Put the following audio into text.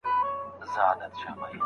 دوه مخي خلک د دوزخ په اور کې دي.